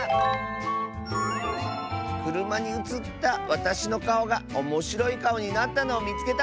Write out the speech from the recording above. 「くるまにうつったわたしのかおがおもしろいかおになったのをみつけた！」。